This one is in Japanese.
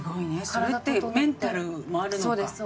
それってメンタルもあるのか。